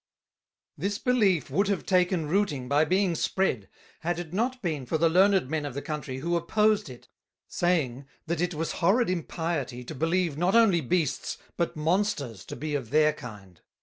This belief would have taken rooting by being spread, had it not been for the Learned Men of the Country, who opposed it, saying, That it was horrid Impiety to believe not only Beasts, but Monsters, to be of their kind.